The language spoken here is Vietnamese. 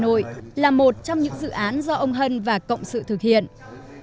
đồ đồng là một trong những dòng cổ vật gắn bó sâu sắc với văn hóa việt nam